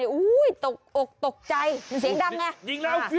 โอ้โหตกใจมันเสียงดังไง